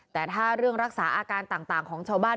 แต่ถ้าเรื่องรักษาอาการต่างของชาวบ้าน